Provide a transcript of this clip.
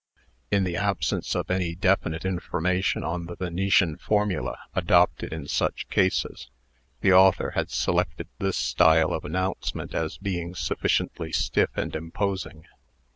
In the absence of any definite information on the Venetian formula adopted in such cases, the author had selected this style of announcement as being sufficiently stiff and imposing.